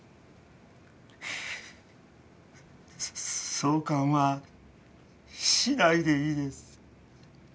挿管はしないでいいです。